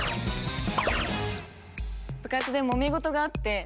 部活でもめ事があって。